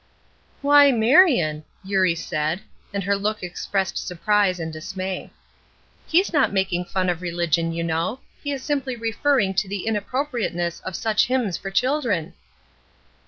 "Why, Marion!" Eurie said, and her look expressed surprise and dismay. "He is not making fun of religion, you know; he is simply referring to the inappropriateness of such hymns for children."